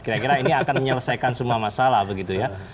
kira kira ini akan menyelesaikan semua masalah begitu ya